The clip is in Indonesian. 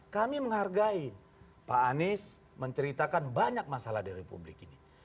kami menghargai pak anies menceritakan banyak masalah di republik ini